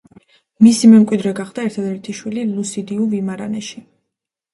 მისი მემკვიდრე გახდა ერთადერთი შვილი ლუსიდიუ ვიმარანეში.